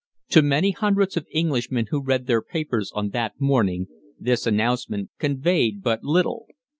To many hundreds of Englishmen who read their papers on that morning this announcement conveyed but little.